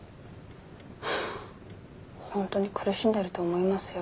本当に苦しんでると思いますよ。